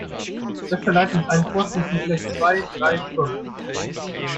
Das verleiht uns einen Vorsprung von vielleicht zwei, drei Stunden.